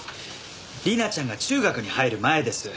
里奈ちゃんが中学に入る前です。